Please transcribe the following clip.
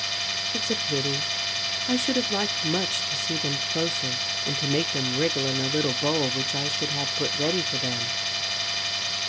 It's a pity; I should have liked much to see them closer and to make them wriggle in a little bowl which I should have put ready for them.